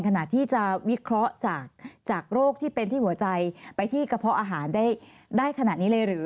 ขณะที่จะวิเคราะห์จากโรคที่เป็นที่หัวใจไปที่กระเพาะอาหารได้ขนาดนี้เลยหรือ